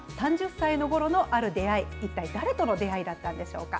３０歳のころのある出会い、一体誰との出会いだったんでしょうか。